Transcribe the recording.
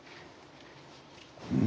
うん？